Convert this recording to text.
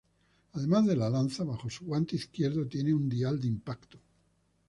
Además de la lanza bajo su guante izquierdo tiene un dial de impacto.